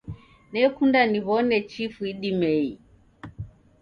Nekunda niwo'ne chifu idimei.